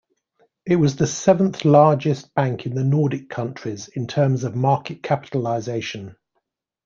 It was seventh largest bank in the Nordic countries in terms of market capitalization.